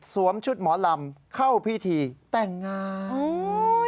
ชุดหมอลำเข้าพิธีแต่งงาน